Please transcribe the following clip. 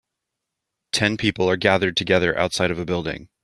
Ten people are gathered together outside of a building.